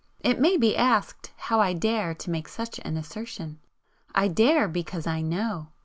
It may be asked how I dare to make such an assertion? I dare, because I know!